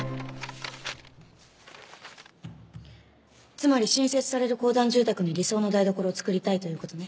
つまり新設される公団住宅に理想の台所を作りたいという事ね。